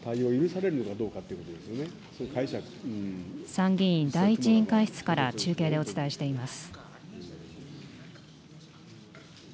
参議院第１委員会室から中継でお伝えしています。